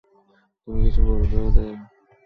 তুমি কিছু বলবে ওদের?